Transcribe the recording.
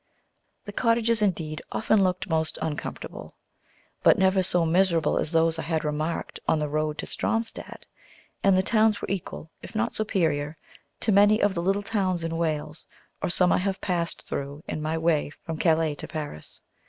The cottages, indeed, often looked most uncomfortable, but never so miserable as those I had remarked on the road to Stromstad, and the towns were equal, if not superior, to many of the little towns in Wales, or some I have passed through in my way from Calais to Paris.